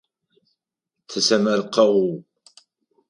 Тэсэмэркъэу.